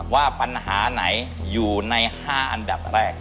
ว่าปัญหาไหนอยู่ใน๕อันดับแรก